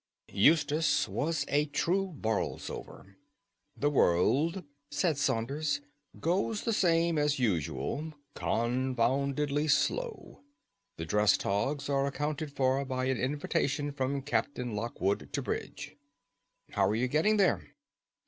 Eustace was a true Borlsover. "The world," said Saunders, "goes the same as usual, confoundedly slow. The dress togs are accounted for by an invitation from Captain Lockwood to bridge." "How are you getting there?"